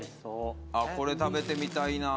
これ食べてみたいなあ。